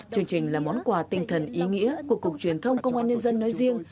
chương trình là món quà tinh thần ý nghĩa của cục truyền thông công an nhân dân nói riêng